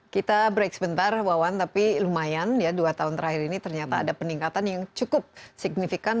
kita break sebentar wawan tapi lumayan ya dua tahun terakhir ini ternyata ada peningkatan yang cukup signifikan